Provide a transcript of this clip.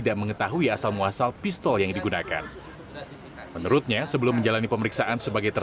di mana barang barang yang bersangkutan sudah dimasukkan ke loker